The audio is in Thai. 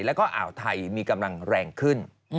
แล้วก็อ่าวไทยมีกำลังแรงขึ้น